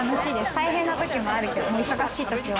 大変なときもあるけど、忙しいときは。